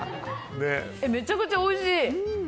めちゃくちゃおいしい。